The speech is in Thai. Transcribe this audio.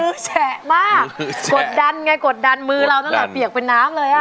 คือแฉะมากกดดันไงกดดันมือเราตั้งแต่เปียกเป็นน้ำเลยอ่ะ